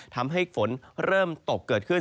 ทำให้ฝนเริ่มตกเกิดขึ้น